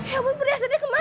hewan berdasarnya kemana